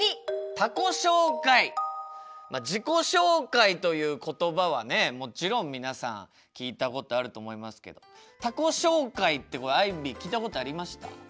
まあ「自己紹介」という言葉はねもちろん皆さん聞いたことあると思いますけど「他己紹介」ってこれアイビー聞いたことありました？